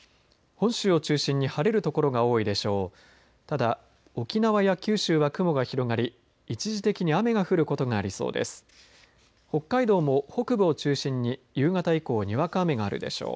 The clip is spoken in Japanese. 本州を中心に晴れる所が多いでしょう。